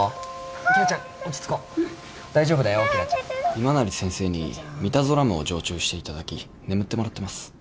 今成先生にミダゾラムを静注していただき眠ってもらってます。